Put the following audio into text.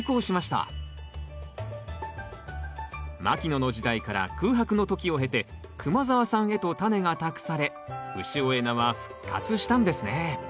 牧野の時代から空白の時を経て熊澤さんへとタネが託され潮江菜は復活したんですね